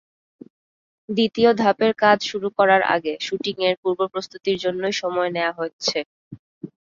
দ্বিতীয় ধাপের কাজ শুরু করার আগে শুটিংয়ের পূর্বপ্রস্তুতির জন্যই সময় নেওয়া হচ্ছে।